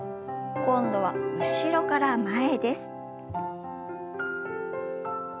今度は後ろから前です。